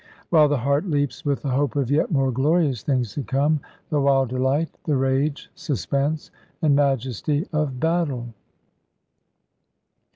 While the heart leaps with the hope of yet more glorious things to come the wild delight, the rage, suspense, and majesty of battle.